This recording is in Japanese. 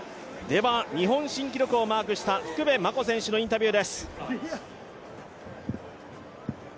日本新記録をマークした福部真子選手のインタビューです。